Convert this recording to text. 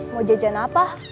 mau jajan apa